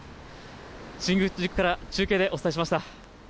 新宿から中継でお伝えしました。